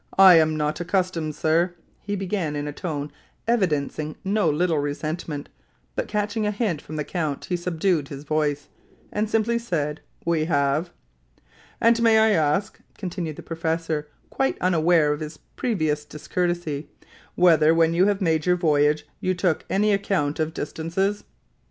I am not accustomed, sir " he began in a tone evidencing no little resentment; but catching a hint from the count he subdued his voice, and simply said, "We have." "And may I ask," continued the professor, quite unaware of his previous discourtesy, "whether, when you made your voyage, you took any account of distances?"